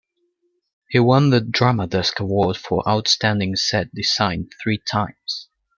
He won the Drama Desk Award for Outstanding Set Design three times.